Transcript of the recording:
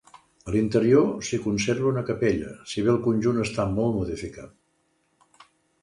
A l'interior s'hi conserva una capella, si bé el conjunt està molt modificat.